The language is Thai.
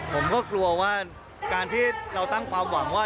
ผมก็กลัวว่าการที่เราตั้งความหวังว่า